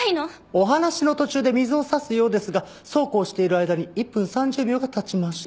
お話の途中で水を差すようですがそうこうしている間に１分３０秒が経ちました。